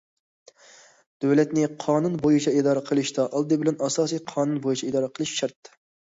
دۆلەتنى قانۇن بويىچە ئىدارە قىلىشتا ئالدى بىلەن ئاساسىي قانۇن بويىچە ئىدارە قىلىش شەرت.